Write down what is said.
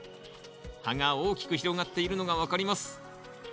葉が大きく広がっているのが分かります。